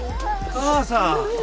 母さん！